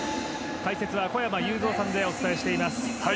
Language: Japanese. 解説は小山裕三さんでお伝えしています。